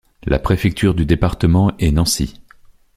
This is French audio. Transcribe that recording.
La préfecture du département est Nancy.